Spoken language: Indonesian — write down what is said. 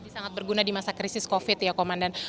ini sangat berguna di masa krisis covid ya komandan